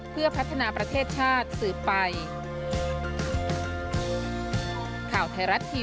เพื่อพัฒนาประเทศชาติสืบไป